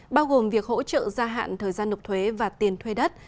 bao gồm việc hỗ trợ gia hạn thời gian nộp thuế và tiền thuê đất